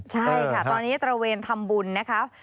ใช่ค่ะตอนนี้ตระเวนทำบุญนะคะ